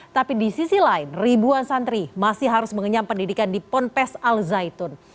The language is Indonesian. tapi di sisi lain ribuan santri masih harus mengenyam pendidikan di ponpes al zaitun